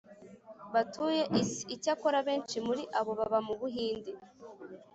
batuye isi. icyakora benshi muri abo baba mu buhindi.